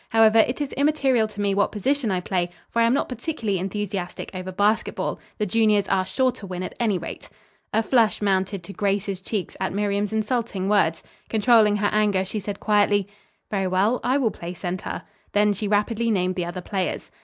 However, it is immaterial to me what position I play, for I am not particularly enthusiastic over basketball. The juniors are sure to win at any rate." A flush mounted to Grace's cheeks at Miriam's insulting words. Controlling her anger, she said quietly: "Very well, I will play center." Then she rapidly named the other players.